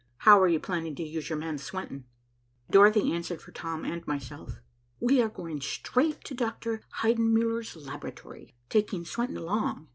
How are you planning to use your man Swenton?" Dorothy answered for Tom and myself. "We are going straight to Dr. Heidenmuller's laboratory, taking Swenton along.